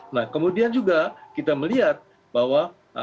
nah kemudian juga kita melihat bahwa